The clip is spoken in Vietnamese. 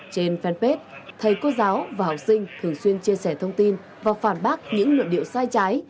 trên fanpage thầy cô giáo và học sinh thường xuyên chia sẻ thông tin và phản bác những luận điệu sai trái